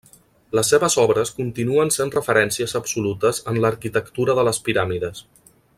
Les seves obres continuen sent referències absolutes en l'arquitectura de les piràmides.